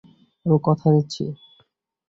আমি কথা দিচ্ছি!